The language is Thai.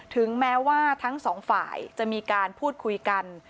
ถึงแม้ว่าทั้งสองฝ่ายจะมีการพูดคุยกัน